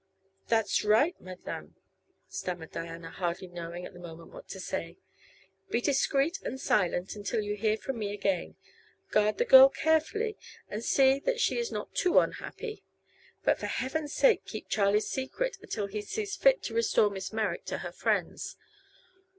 "That's right, Madame," stammered Diana, hardly knowing at the moment what to say. "Be discreet and silent until you hear from me again; guard the girl carefully and see that she is not too unhappy; but for heaven's sake keep Charlie's secret until he sees fit to restore Miss Merrick to her friends.